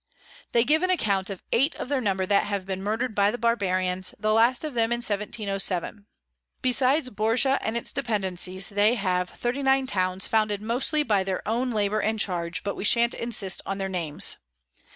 They give an account of eight of their number that have been murder'd by the Barbarians, the last of them in 1707. Besides Borja and its Dependencies, they have 39 Towns founded mostly by their own Labour and Charge, but we shan't insist on their Names.